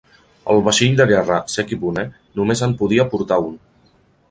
El vaixell de guerra (sekibune) només en podia portar un.